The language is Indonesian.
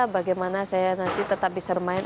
bagaimana saya nanti tetap bisa bermain